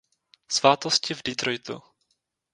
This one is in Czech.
Svátosti v Detroitu.